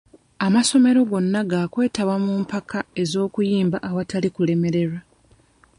Amasomero gonna ga kwetaba mu mpaka z'okuyimba awatali kulemererwa.